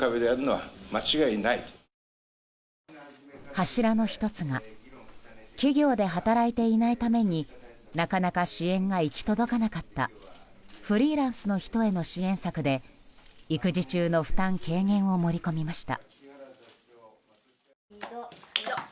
柱の１つが企業で働いていないためになかなか支援が行き届かなかったフリーランスの人への支援策で育児中の負担軽減を盛り込みました。